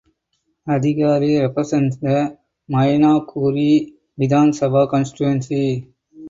Adhikari represents the Maynaguri (Vidhan Sabha constituency).